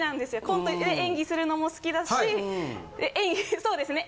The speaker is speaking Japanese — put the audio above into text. コント演技するのも好きだしそうですね